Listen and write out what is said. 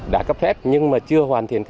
đã cấp phép nhưng chưa hoàn thiện